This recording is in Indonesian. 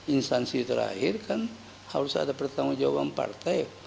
instansi terakhir kan harus ada pertanggung jawaban partai